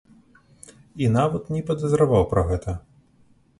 І нават не падазраваў пра гэта.